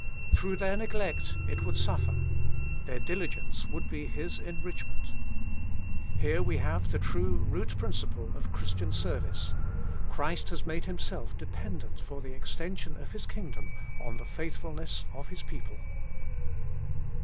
Through their neglect it would suffer j their diligence would be His enrichment. Here we have the true root principle of Christian service; Christ has made Himself dependent for the extension of His kingdom on the faithful ness of His people.